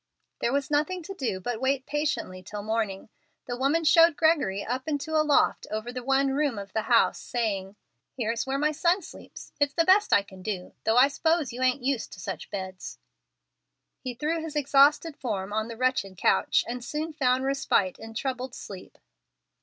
There was nothing to do but wait patiently till morning. The woman showed Gregory up into a loft over the one room of the house, saying, "Here's where my son sleeps. It's the best I can do, though I s'pose you ain't used to such beds." He threw his exhausted form on the wretched couch, and soon found respite in troubled sleep.